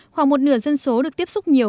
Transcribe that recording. khoảng một nửa dân số được tiếp xúc nhiều